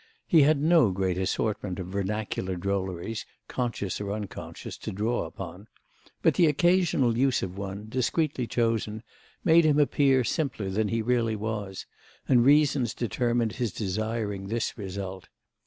He had no great assortment of vernacular drolleries, conscious or unconscious, to draw upon; but the occasional use of one, discreetly chosen, made him appear simpler than he really was, and reasons determined his desiring this result.